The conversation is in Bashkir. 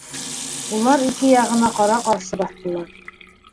Улар ике яғына ҡара-ҡаршы баҫтылар.